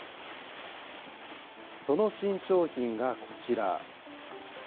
その新商品がこちら。